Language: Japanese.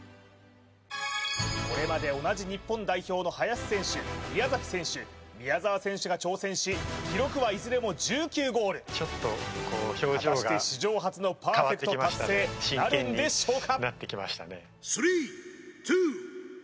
これまで同じ日本代表の林選手宮崎選手宮澤選手が挑戦し記録はいずれも１９ゴール果たして史上初のパーフェクト達成なるんでしょうか？